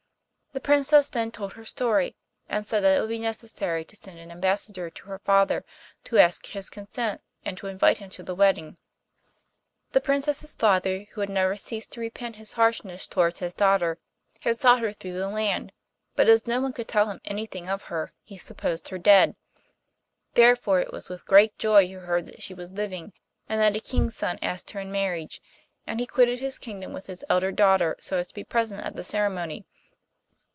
The Princess then told her story, and said that it would be necessary to send an ambassador to her father to ask his consent and to invite him to the wedding. The Princess's father, who had never ceased to repent his harshness towards his daughter, had sought her through the land, but as no one could tell him anything of her, he supposed her dead. Therefore it was with great joy he heard that she was living and that a king's son asked her in marriage, and he quitted his kingdom with his elder daughter so as to be present at the ceremony.